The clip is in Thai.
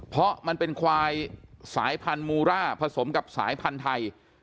เพราะมันเป็นควายสายพันธุ์มูร่าผสมกับสายพันธุ์ไทย